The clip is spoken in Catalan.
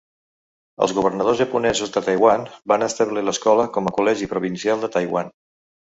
Els governadors japonesos de Taiwan van establir l'escola com a Col·legi Provincial de Taiwan.